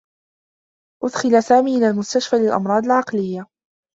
أُدخِل سامي إلى مستشفى للأمراض العقليّة.